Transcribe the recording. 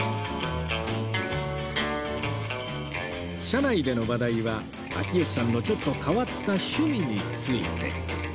車内での話題は秋吉さんのちょっと変わった趣味について